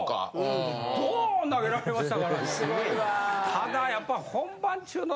ただやっぱ。